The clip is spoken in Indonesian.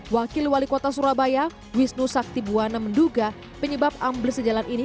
wakil wali kota surabaya wisnu saktibuana menduga penyebab ambles sejalan ini